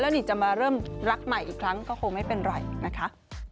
นี่จะมาเริ่มรักใหม่อีกครั้งก็คงไม่เป็นไรนะคะ